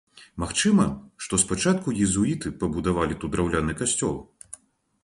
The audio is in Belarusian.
Магчыма, што спачатку езуіты пабудавалі тут драўляны касцёл.